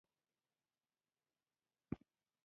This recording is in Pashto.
د اسونو ځغلول یوه لرغونې لوبه ده.